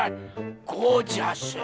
ゴージャス。